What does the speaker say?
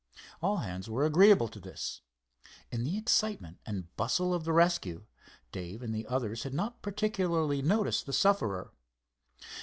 All hands were agreeable to this. In the excitement and bustle of the rescue, Dave and the others had not particularly noticed the sufferer.